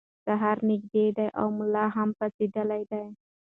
سهار نږدې دی او ملا هم پاڅېدلی دی.